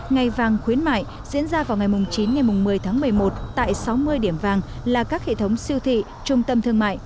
ngày vàng khuyến mại diễn ra vào ngày chín một mươi tháng một mươi một tại sáu mươi điểm vàng là các hệ thống siêu thị trung tâm thương mại